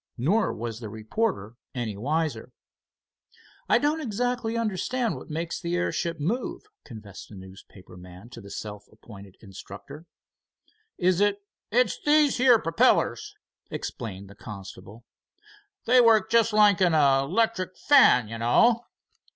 Nor was the reporter any the wiser. "I don't exactly understand what makes the airship move," confessed the newspaper man to the self appointed instructor. "Is it——?" "It's these here perpellers," explained the constable. "They work just like an electric fan, you know."